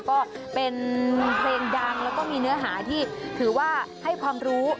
ก็เป็นเพลงดังแล้วก็มีเนื้อหาที่ถือว่าให้ความรู้